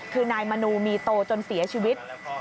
คือนายมนูมีโตจนเสียชีวิต